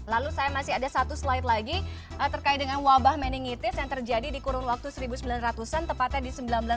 lalu saya masih ada satu slide lagi terkait dengan wabah meningitis yang terjadi di kurun waktu seribu sembilan ratus an tepatnya di seribu sembilan ratus sembilan puluh